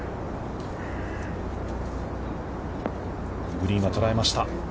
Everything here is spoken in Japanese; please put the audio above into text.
グリーンは捉えました。